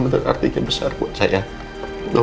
nai berapa ini nanti tau gak black containing